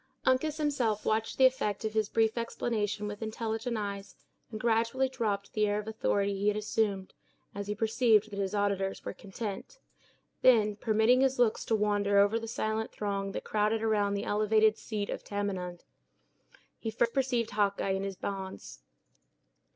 Uncas himself watched the effect of his brief explanation with intelligent eyes, and gradually dropped the air of authority he had assumed, as he perceived that his auditors were content. Then, permitting his looks to wander over the silent throng that crowded around the elevated seat of Tamenund, he first perceived Hawkeye in his bonds.